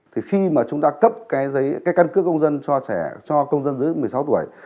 thì khi mà chúng ta cấp cái giấy căn cước công dân cho trẻ cho công dân dưới một mươi sáu tuổi